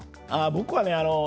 僕はね